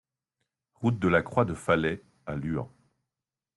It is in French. Route de la Croix de Faslay à Luant